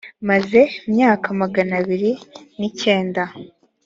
maze myaka magana abiri n icyenda